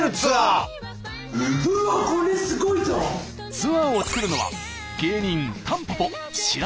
ツアーを作るのは芸人